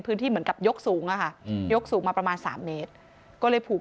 เหมือนกับยกสูงอะค่ะยกสูงมาประมาณสามเมตรก็เลยผูก